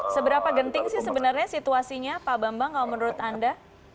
seberapa genting sih sebenarnya situasinya pak bambang kalau menurut anda